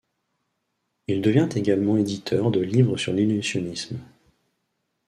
Il devient également éditeur de livres sur l'illusionnisme.